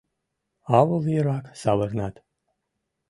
Авыл йырак савырнат.